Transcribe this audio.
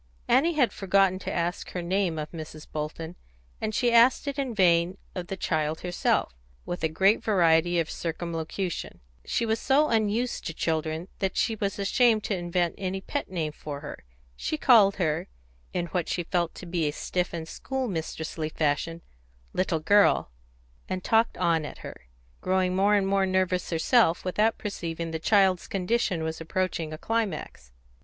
Annie had forgotten to ask her name of Mrs. Bolton, and she asked it in vain of the child herself, with a great variety of circumlocution; she was so unused to children that she was ashamed to invent any pet name for her; she called her, in what she felt to be a stiff and school mistressly fashion, "Little Girl," and talked on at her, growing more and more nervous herself without perceiving that the child's condition was approaching a climax.